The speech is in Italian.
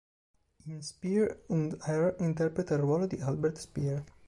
In "Speer und Er" interpreta il ruolo di Albert Speer.